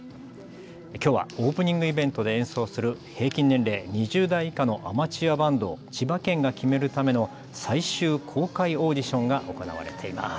きょうはオープニングイベントで演奏する平均年齢２０代以下のアマチュアバンドを千葉県が決めるための最終公開オーディションが行われています。